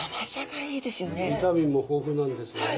ビタミンも豊富なんですよね